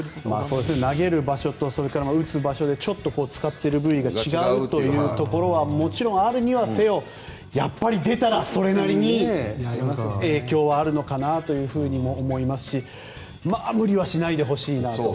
投げる場所とそれから打つ場所で使ってる部位が違うというところはもちろんあるにはせよもちろん出たらそれなりに影響はあるのかなとも思いますし無理はしないでほしいなと。